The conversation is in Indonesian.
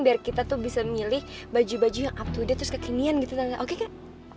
biar kita tuh bisa milih baju baju yang up to date terus kekinian gitu oke kak